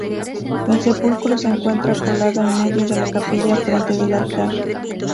El sepulcro se encuentra colocado en medio de la capilla enfrente del altar.